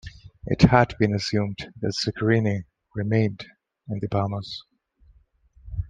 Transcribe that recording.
It had been assumed that Zuccarini remained in the Bahamas.